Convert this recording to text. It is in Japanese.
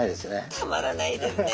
たまらないですね。